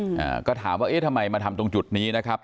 อ่าก็ถามว่าเอ๊ะทำไมมาทำตรงจุดนี้นะครับ